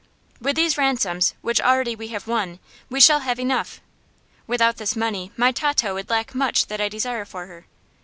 With these ransoms, which already we have won, we shall have enough. Without this money my Tato would lack much that I desire for her.